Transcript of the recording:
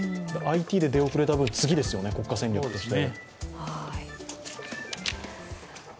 ＩＴで出遅れた分、次ですよね、国家戦略として。